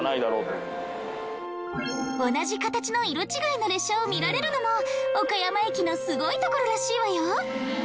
同じ形の色違いの列車を見られるのも岡山駅のすごいところらしいわよ。